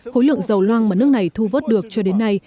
khối lượng dầu loang mà nước này thu vớt được cho đến nay